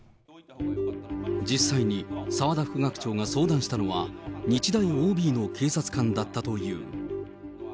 実際に澤田副学長が相談したのは、日大ＯＢの警察官だったという。